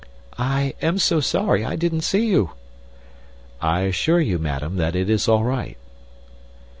"I am so sorry, I didn't see you." "I assure you, madam, that it is all right."